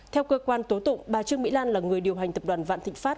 theo cơ quan tố tụng bà trương mỹ lan là người điều hành tập đoàn vạn thịnh pháp